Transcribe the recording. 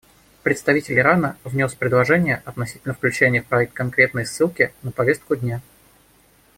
Представитель Ирана внес предложение относительно включения в проект конкретной ссылки на повестку дня.